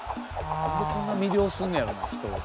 何でこんな魅了すんのやろな人を。